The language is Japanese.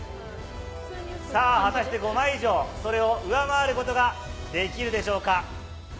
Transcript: さあ、果たして５枚以上、それを上回ることができるでしょうか。